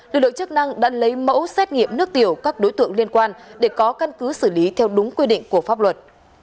lực lượng chức năng đã lấy mẫu xét nghiệm nước tiểu các đối tượng liên quan để có căn cứ xử lý theo đúng quy định của pháp luật